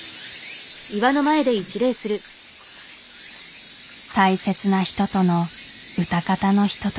大切な人とのうたかたのひととき。